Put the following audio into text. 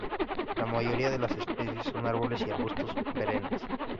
La mayoría de las especies son árboles y arbustos perennes.